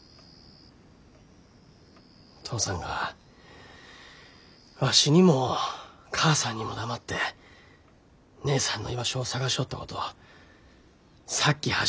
父さんがわしにも母さんにも黙って義姉さんの居場所を捜しょうったことさっき初めて知った。